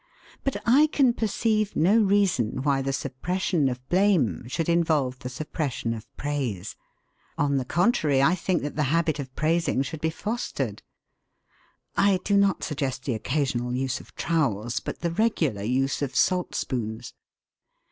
But I can perceive no reason why the suppression of blame should involve the suppression of praise. On the contrary, I think that the habit of praising should be fostered. (I do not suggest the occasional use of trowels, but the regular use of salt spoons.)